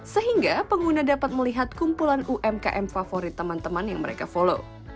sehingga pengguna dapat melihat kumpulan umkm favorit teman teman yang mereka follow